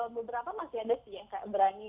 beberapa masih ada sih yang kayak berani